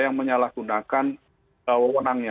yang menyalahgunakan wawonannya